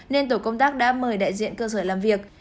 nên tổ công tác đã mời đại diện cơ sở làm việc